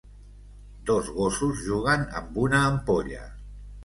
Dos gossos juguen amb una ampolla.